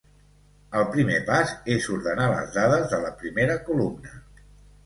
El primer pas és ordenar les dades de la primera columna.